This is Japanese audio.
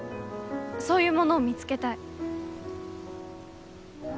そういうものを見つけたい。